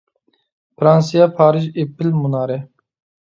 فىرانسىيە پارىژ ئېففېل مۇنارى